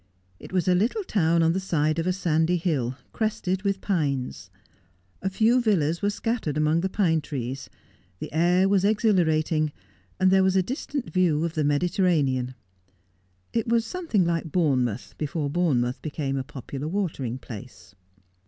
It was a little town on the side of a sandy hill, crested with pines. A few villas were scattered among the pine trees. The air was exhilarating, and there was a distant view of the Mediterranean. It was something like Bournemouth, before Bournemouth became a popular watering place.